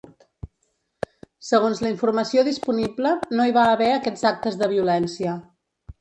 Segons la informació disponible, no hi va haver aquests actes de violència.